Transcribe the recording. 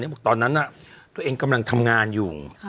บอกตอนนั้นตัวเองกำลังทำงานอยู่